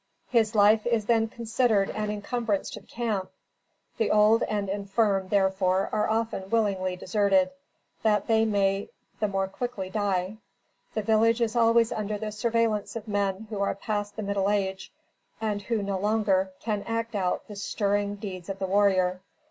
His life is then considered an incumbrance to the camp. The old and infirm, therefore, are often willingly deserted, that they may the more quickly die. The village is always under the surveillance of men who are past the middle age, and who no longer can act out the stirring deeds of the warrior.